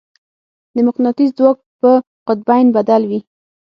د مقناطیس ځواک په قطبین بدل وي.